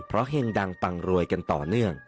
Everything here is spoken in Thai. เพราะเห็งดังปังรวยกันต่อเนื่อง